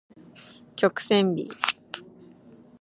曲線美